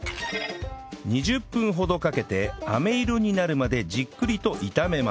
２０分ほどかけて飴色になるまでじっくりと炒めます